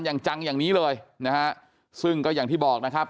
อย่างจังอย่างนี้เลยนะฮะซึ่งก็อย่างที่บอกนะครับ